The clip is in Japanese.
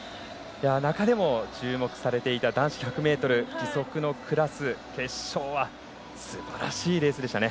中でも注目されていた男子１００ｍ義足のクラス決勝はすばらしいレースでしたね。